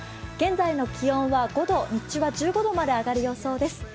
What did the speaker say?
現在の気温は５度日中は１５度まで上がる予想です。